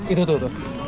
itu tuh tuh